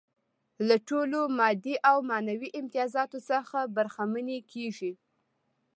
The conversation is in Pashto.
له ټولو مادي او معنوي امتیازاتو څخه برخمنې کيږي.